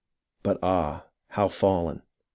But, ah, how fallen !